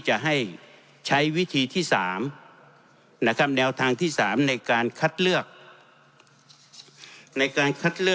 จากะเว่ยอีก๘อาวุธเท่าไหร่รายธรรมสำหรับคำสั่งครั้งอย่างไร